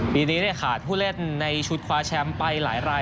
ปีนี้ขาดผู้เล่นในชุดคว้าแชมป์ไปหลายราย